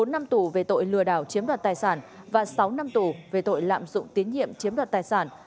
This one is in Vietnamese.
bốn năm tù về tội lừa đảo chiếm đoạt tài sản và sáu năm tù về tội lạm dụng tín nhiệm chiếm đoạt tài sản